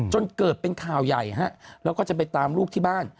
จนเกิดเป็นข่าวใหญ่ฮะแล้วก็จะไปตามลูกที่บ้าน